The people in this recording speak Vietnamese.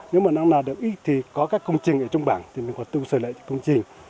nếu mà nó nào được ít thì có các công trình ở trong bảng thì mình có tu sở lệnh công trình